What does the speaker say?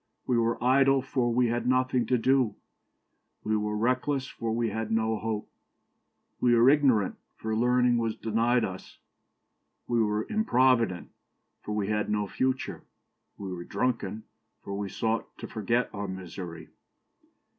We were idle, for we had nothing to do; we were reckless, for we had no hope; we were ignorant, for learning was denied us; we were improvident, for we had no future; we were drunken, for we sought to forget our misery.